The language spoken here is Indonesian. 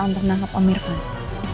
untuk menangkap umir fandin